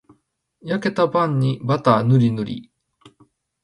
焼けたパンにバターぬりぬり